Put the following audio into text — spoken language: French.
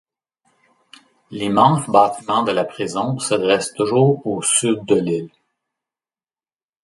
L'immense bâtiment de la prison se dresse toujours au sud de l'île.